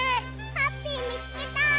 ハッピーみつけた！